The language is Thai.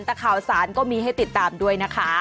แต่ข่าวสารก็มีให้ติดตามด้วยนะคะ